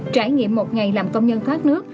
trải nghiệm một ngày làm công nhân thoát nước